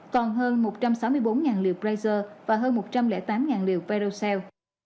còn hơn một trăm sáu mươi bốn liều pfizer và hơn một trăm linh tám liều paracel